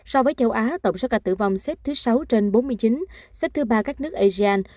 so với châu á tổng số ca tử vong xếp thứ sáu trên bốn mươi chín xếp thứ ba các nước asean